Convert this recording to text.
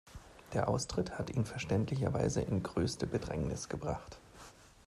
Der Austritt hat ihn verständlicherweise in größte Bedrängnis gebracht.